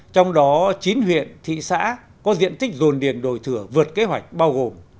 trong đó chín huyện thị xã có diện tích dồn điền đổi thửa vượt kế hoạch bao gồm